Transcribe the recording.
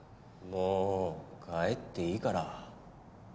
もう帰っていいから。